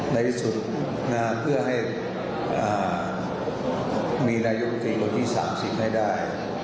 ในที่สุดเพื่อให้มีนายมตรีคนที่๓๐ให้ได้